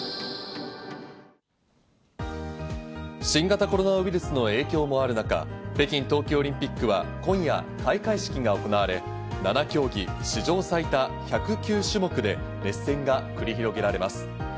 新型コロナウイルスの影響もある中、北京冬季オリンピックは今夜、開会式が行われ、７競技、史上最多１０９種目で熱戦が繰り広げられます。